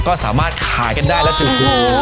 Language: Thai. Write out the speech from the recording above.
ก็สามารถขายกันได้แล้วจู่